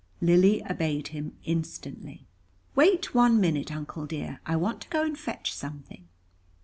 Lily obeyed him instantly. "Wait one minute, Uncle dear; I want to go and fetch something."